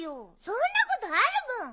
そんなことあるもん！